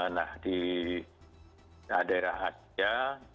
nah di daerah asia